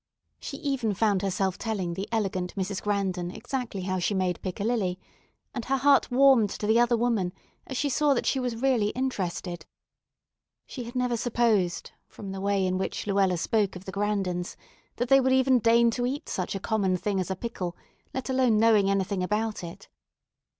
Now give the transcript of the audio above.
She even found herself telling the elegant Mrs. Grandon exactly how she made piccalilli, and her heart warmed to the other woman as she saw that she was really interested. She had never supposed, from the way in which Luella spoke of the Grandons, that they would even deign to eat such a common thing as a pickle, let alone knowing anything about it.